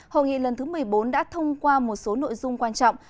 hội nghị lần thứ một mươi bốn đã thông qua một số nội dung quan trọng